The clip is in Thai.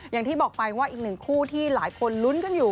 อย่างที่บอกไปว่าอีกหนึ่งคู่ที่หลายคนลุ้นกันอยู่